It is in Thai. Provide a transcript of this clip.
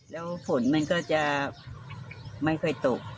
แล้วฝนมันก็จะไม่ค่อยตก